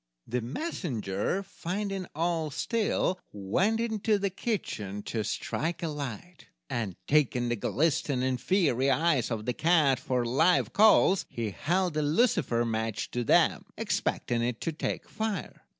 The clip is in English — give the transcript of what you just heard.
The messenger, finding all still, went into the kitchen to strike a light, and, taking the glistening, fiery eyes of the cat for live coals, he held a lucifer match to them, expecting it to take fire.